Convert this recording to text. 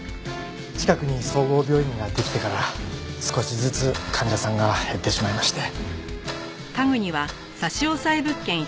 近くに総合病院ができてから少しずつ患者さんが減ってしまいまして。